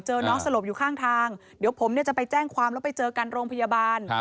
น้องสลบอยู่ข้างทางเดี๋ยวผมจะไปแจ้งความแล้วไปเจอกันโรงพยาบาล